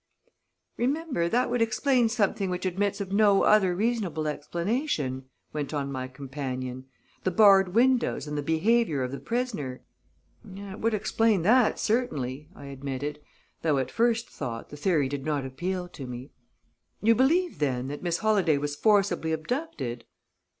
"Remember, that would explain something which admits of no other reasonable explanation," went on my companion; "the barred windows and the behavior of the prisoner." "It would explain that, certainly," I admitted, though, at first thought, the theory did not appeal to me. "You believe, then that Miss Holladay was forcibly abducted?"